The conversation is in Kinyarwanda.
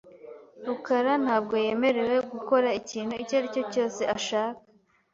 rukara ntabwo yemerewe gukora ikintu icyo aricyo cyose ashaka .